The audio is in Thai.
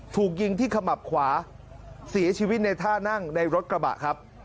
ถูกยิงที่ขมับขวาเสียชีวิตในท่านั่งในรถกระบะครับ